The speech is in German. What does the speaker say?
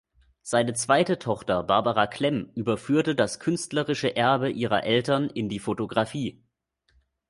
Seine zweite Tochter Barbara Klemm überführte das künstlerische Erbe ihrer Eltern in die Fotografie.